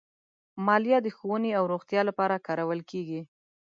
مالیه د ښوونې او روغتیا لپاره کارول کېږي.